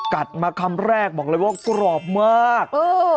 กัดมาคำแรกบอกเลยว่ากรอบมาก